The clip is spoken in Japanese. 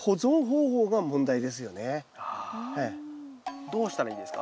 どうしたらいいですか？